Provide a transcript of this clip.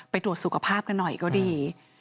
ไปดูดสุขภาพกันหน่อยก็ดี